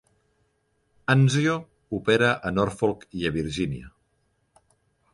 "Anzio" opera a Norfolk a Virgínia.